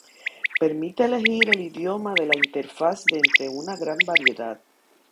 Permite elegir el idioma de la interfaz de entre una gran variedad.